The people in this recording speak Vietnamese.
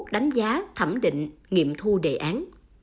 đánh giá thẩm định nghiệm thu đề án